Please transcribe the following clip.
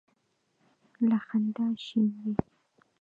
له خندا شین وي.